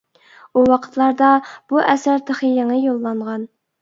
ئۇ ۋاقىتلاردا بۇ ئەسەر تېخى يېڭى يوللانغان.